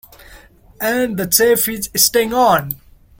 And the chef is staying on.